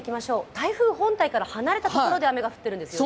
台風本体から離れたところで雨が降っているんですよね。